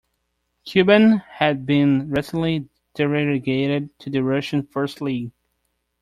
Kuban had been recently derelegated to the Russian First League.